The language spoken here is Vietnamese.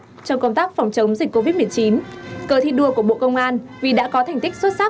trong công tác phòng chống dịch covid một mươi chín cờ thi đua của bộ công an vì đã có thành tích xuất sắc